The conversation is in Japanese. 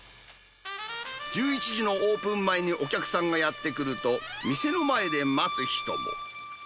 １１時のオープン前にお客さんがやって来ると、店の前で待つ人も。